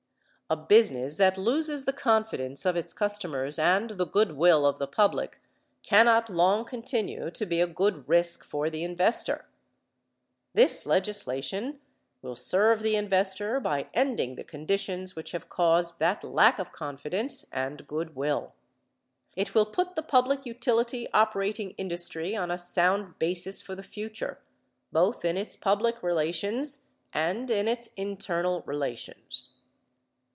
A business that loses the confidence of its customers and the good will of the public cannot long continue to be a good risk for the investor. This legislation will serve the investor by ending the conditions which have caused that lack of confidence and good will. It will put the public utility operating industry on a sound basis for the future, both in its public relations and in its internal relations.